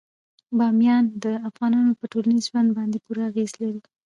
بامیان د افغانانو په ټولنیز ژوند باندې پوره اغېز لري.